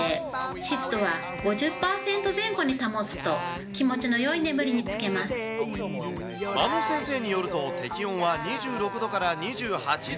湿度は５０％前後に保つと、眞野先生によると、適温は２６度から２８度。